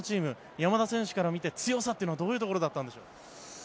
山田選手から見て強さというのはどういうところだったんでしょう。